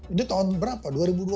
ini tahun berapa dua ribu dua puluh